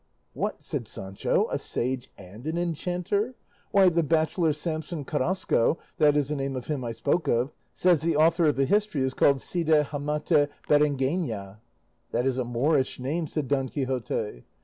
"What!" said Sancho, "a sage and an enchanter! Why, the bachelor Samson Carrasco (that is the name of him I spoke of) says the author of the history is called Cide Hamete Berengena." "That is a Moorish name," said Don Quixote.